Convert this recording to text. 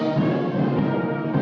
lagu kebangsaan indonesia raya